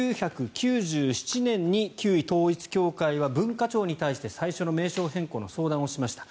１９９７年に旧統一教会は文化庁に対して最初の名称変更の相談をしました。